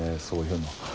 そういうの。